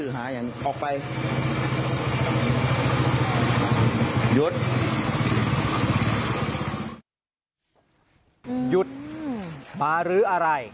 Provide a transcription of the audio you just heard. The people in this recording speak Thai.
หยุดมารื้ออะไร